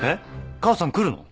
母さん来るの？